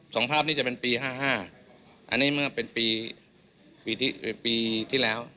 สองภาพนี้จะเป็นปี๕๕อันนี้มันก็เป็นปีที่แล้ว